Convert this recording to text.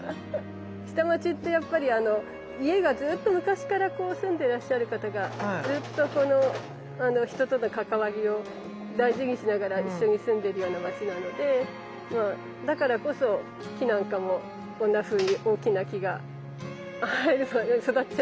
下町ってやっぱりあの家がずっと昔からこう住んでらっしゃる方がずっとこの人との関わりを大事にしながら一緒に住んでるような街なのでまあだからこそ木なんかもこんなふうに大きな木が育っちゃう。